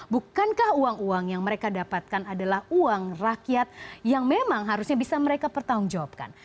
bukankah uang uang yang mereka dapatkan adalah uang rakyat yang memang harusnya bisa mereka pertanggungjawabkan